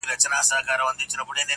پر سينه باندي يې ايښي وه لاسونه-